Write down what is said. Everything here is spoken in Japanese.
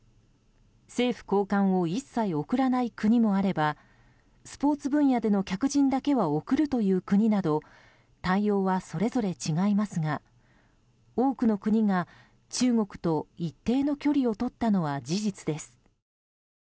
政府高官を一切送らない国もあればスポーツ分野での客人だけは送るという国など対応はそれぞれ違いますが多くの国が中国と一定の距離をとったのは事実です。